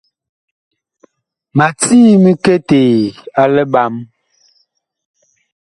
Ma cii miketee a liɓam.